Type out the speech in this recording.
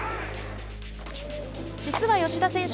実は吉田選手